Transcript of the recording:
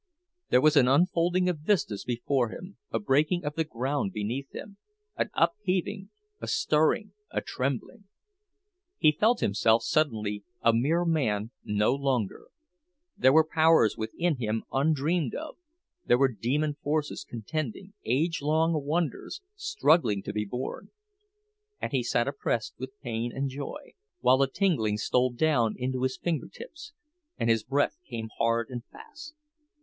There was an unfolding of vistas before him, a breaking of the ground beneath him, an upheaving, a stirring, a trembling; he felt himself suddenly a mere man no longer—there were powers within him undreamed of, there were demon forces contending, age long wonders struggling to be born; and he sat oppressed with pain and joy, while a tingling stole down into his finger tips, and his breath came hard and fast.